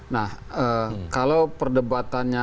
nah kalau perdebatannya